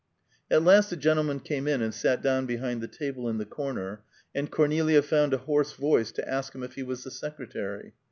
At last a gentleman came in and sat down behind the table in the corner, and Cornelia found a hoarse voice to ask him if he was the secretary.